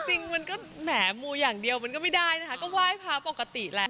จริงมันก็แหมมูอย่างเดียวมันก็ไม่ได้นะคะก็ไหว้พระปกติแหละ